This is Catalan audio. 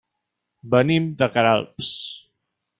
Venim de Queralbs.